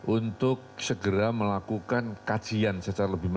untuk segera melakukan kajian secara lebih mendalam